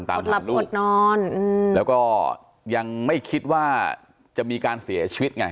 อดหลับอดนอนแล้วก็ยังไม่คิดว่าจะมีการเสียชีวิตไง